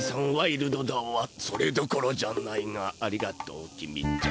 それどころじゃないがありがとう公ちゃん。